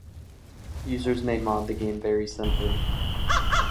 Users may mod the game very simply.